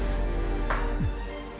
kayak ambil barun kamu denger ya